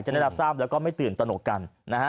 จะได้รับทราบแล้วก็ไม่ตื่นตระหนกกัน